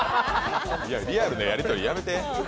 リアルなやりとりやめて。